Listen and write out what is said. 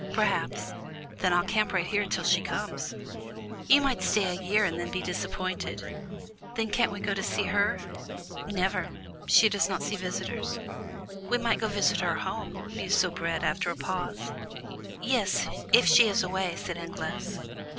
"Perhaps." "Then I'll camp right here till she comes!" "You might stay a year and then be disappointed." "Then can't we go to see her?" "Never; she does not see visitors." "We might go visit her home," mused Soubrette, after a pause. "Yes, if she is away," said Anglaise.